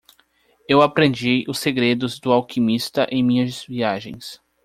Eu aprendi os segredos do alquimista em minhas viagens.